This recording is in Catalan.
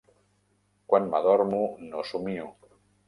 Quan m'adormo, no somio.